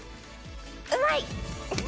うまい！